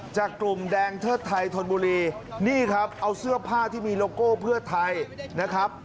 จากกลุ่มแดงเทิดไทยธนบุรีนี่ครับเอาเสื้อผ้าที่มีโลโก้เพื่อไทยนะครับ